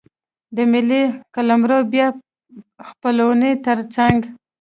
د ملي قلمرو بیا خپلونې ترڅنګ.